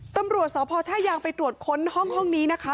ตำรวจสพท่ายางไปตรวจค้นห้องนี้นะคะ